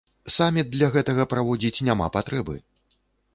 Саміт для гэтага праводзіць няма патрэбы!